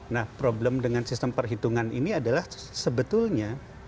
nah problem dengan sistem perhitungan ini adalah sebetulnya